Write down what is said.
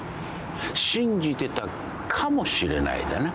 信じてたかもしれないだな。